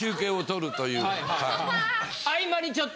合間にちょっと。